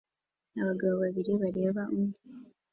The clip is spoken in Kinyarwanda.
abagabo babiri bareba undi